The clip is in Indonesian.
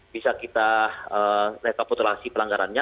bisa kita rekapitulasi pelanggarannya